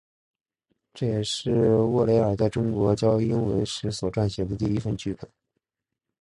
这也是沃雷尔在中国教英文时所撰写的第一份剧本。